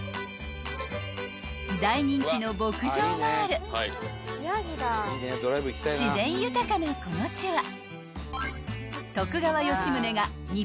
［大人気の牧場もある自然豊かなこの地は］